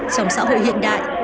trong xã hội hiện đại